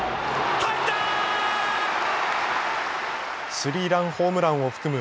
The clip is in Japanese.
スリーランホームランを含む